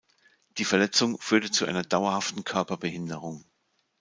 Die Verletzung führte zu einer dauerhaften Körperbehinderung.